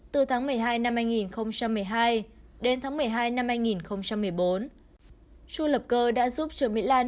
từ tháng một mươi hai năm hai nghìn một mươi hai đến tháng một mươi hai năm hai nghìn một mươi bốn chu lập cơ đã giúp trương mỹ lan